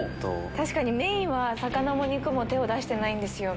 確かにメインは魚も肉も手を出してないんですよ。